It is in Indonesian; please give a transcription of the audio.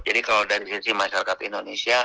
jadi kalau dari sisi masyarakat indonesia